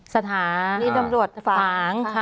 สถานีน้ำรวจภาค